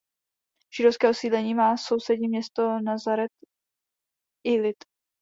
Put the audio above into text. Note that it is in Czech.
Židovské osídlení má sousední město Nazaret Ilit.